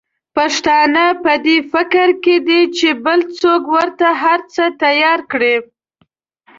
پښتانه په دي فکر کې دي چې بل څوک ورته هرڅه تیار کړي.